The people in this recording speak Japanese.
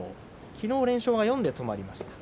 昨日、連勝が４で止まりました。